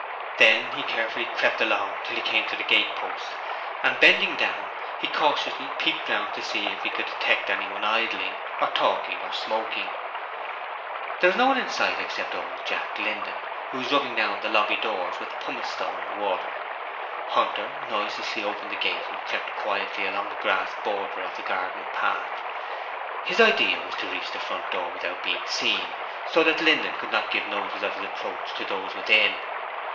Then he carefully crept along till he came to the gate post, and bending down, he cautiously peeped round to see if he could detect anyone idling, or talking, or smoking. There was no one in sight except old Jack Linden, who was rubbing down the lobby doors with pumice stone and water. Hunter noiselessly opened the gate and crept quietly along the grass border of the garden path. His idea was to reach the front door without being seen, so that Linden could not give notice of his approach to those within.